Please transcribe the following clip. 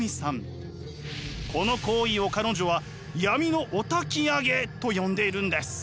この行為を彼女は闇のおたきあげと呼んでいるんです。